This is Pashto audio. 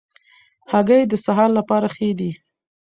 هګۍ د سهار لپاره ښې دي.